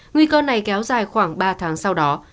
nguy cơ này kéo dài khoảng ba tháng sau đó